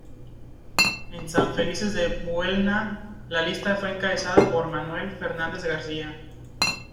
En San Felices de Buelna, la lista fue encabezada por Manuel Fernández García.